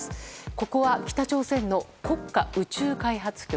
ここは北朝鮮の国家宇宙開発局。